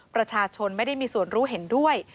ประชาชนไม่ได้มีส่วนรู้เห็นด้วย